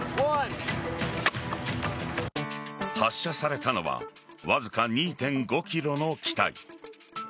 発射されたのはわずか２．５ｋｇの機体。